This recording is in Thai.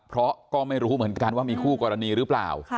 เพราะก็ไม่รู้เหมือนกันว่ามีคู่กรณีหรือเปล่า